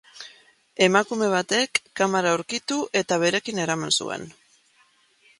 Emakume batek kamara aurkitu eta berekin eraman zuen.